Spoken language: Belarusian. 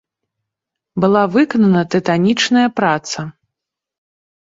Была выканана тытанічная праца.